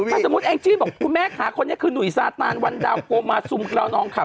ถ้าสมมุติแองจี้บอกคุณแม่ขาคนนี้คือหนุ่ยซาตานวันดาวโกมาซุมเรานองค่ะ